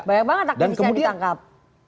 banyak banget takut bisa ditangkap